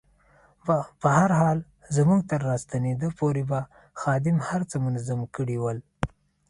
په هر حال زموږ تر راستنېدا پورې به خادم هر څه منظم کړي ول.